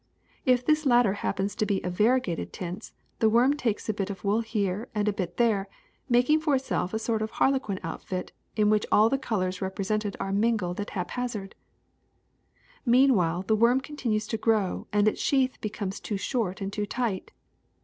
If this latter hap pens to be of variegated tints, the worm takes a bit of wool here and a bit there, making for itself a sort of harlequin outfit in which all the colors represented are mingled at haphazard. *^ Meanwhile the worm continues to grow and its sheath becomes too short and too tight.